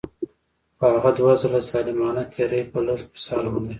خو هغه دوه ځله ظالمانه تیری به لږ مثال ولري.